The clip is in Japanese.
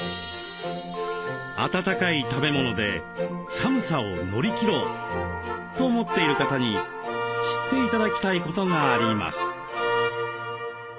温かい食べ物で寒さを乗り切ろうと思っている方に知って頂きたいことがあります。